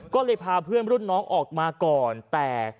ก็เลยพาเพื่อนรุ่นน้องออกมาก่อนแต่